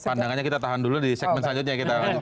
pandangannya kita tahan dulu di segmen selanjutnya